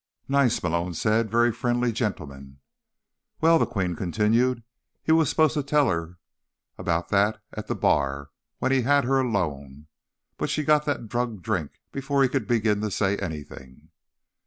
"Nice," Malone said. "Very friendly gentleman." "Well," the Queen continued, "he was supposed to tell her about that at the bar, when he had her alone. But she got that drugged drink before he could begin to say anything."